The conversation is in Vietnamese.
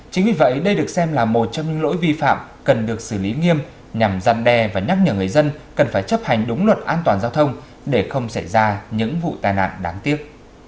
chính vì vậy đây được xem là một trong những lỗi vi phạm cần được xử lý nghiêm nhằm gian đe và nhắc nhở người dân cần phải chấp hành đúng luật an toàn giao thông để không xảy ra những vụ tai nạn đáng tiếc